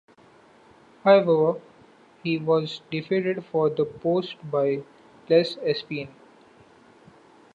However, he was defeated for the post by Les Aspin.